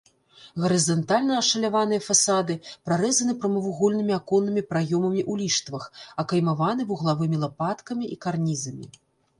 Гарызантальна ашаляваныя фасады прарэзаны прамавугольнымі аконнымі праёмамі ў ліштвах, акаймаваны вуглавымі лапаткамі і карнізамі.